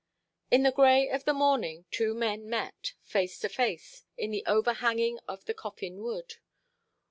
In the grey of the morning, two men met, face to face, in the overhanging of the Coffin Wood.